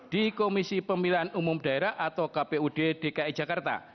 di komisi pemilihan umum daerah atau kpud dki jakarta